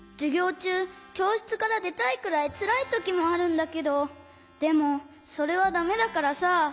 ちゅうきょうしつからでたいくらいつらいときもあるんだけどでもそれはだめだからさ。